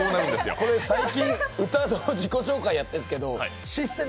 これ最近歌の自己紹介やってるんですけどシステム